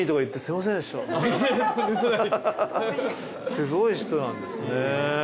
すごい人なんですね。